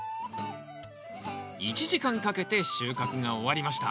１時間かけて収穫が終わりました